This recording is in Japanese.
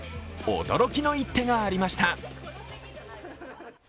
驚きの一手がありました。